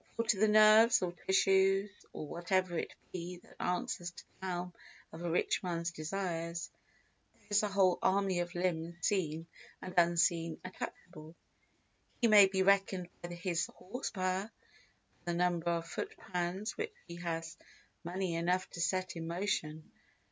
For to the nerves or tissues, or whatever it be that answers to the helm of a rich man's desires, there is a whole army of limbs seen and unseen attachable: he may be reckoned by his horse power—by the number of foot pounds which he has money enough to set in motion.